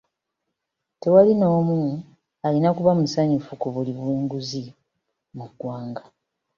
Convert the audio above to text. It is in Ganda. Tewali n'omu alina kuba musanyufu ku buli bw'enguzi mu ggwanga.